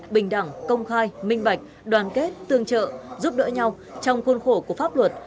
bình đẳng công khai minh bạch đoàn kết tương trợ giúp đỡ nhau trong khuôn khổ của pháp luật